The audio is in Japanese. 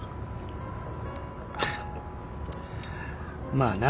まあな。